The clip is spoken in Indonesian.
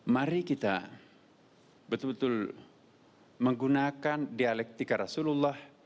mari kita betul betul menggunakan dialektika rasulullah